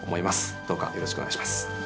どうかよろしくお願いします。